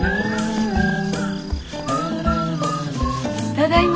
ただいま。